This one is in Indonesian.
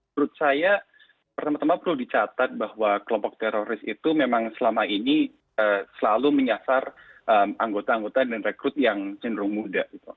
menurut saya pertama tama perlu dicatat bahwa kelompok teroris itu memang selama ini selalu menyasar anggota anggota dan rekrut yang cenderung muda